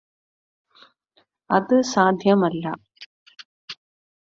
അത് സാധ്യമല്ല